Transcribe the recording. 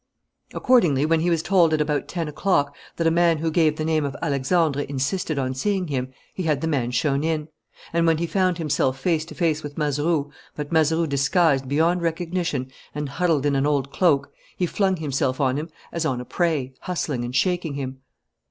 Accordingly, when he was told at about ten o'clock that a man who gave the name of Alexandre insisted on seeing him, he had the man shown in; and when he found himself face to face with Mazeroux, but Mazeroux disguised beyond recognition and huddled in an old cloak, he flung himself on him as on a prey, hustling and shaking him.